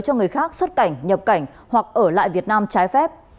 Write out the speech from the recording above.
cho người khác xuất cảnh nhập cảnh hoặc ở lại việt nam trái phép